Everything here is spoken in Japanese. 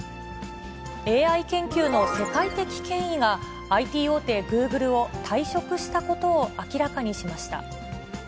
ＡＩ研究の世界的権威がＩＴ大手グーグルを退職したことを明らかにしました。